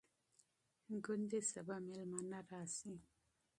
شاید سبا مېلمانه راشي.